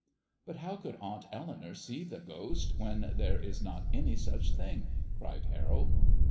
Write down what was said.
"But how could Aunt Eleanour see the ghost when there is not any such thing?" cried Harold.